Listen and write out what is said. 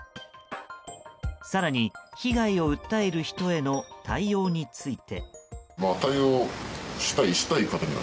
更に、被害を訴える人への対応について。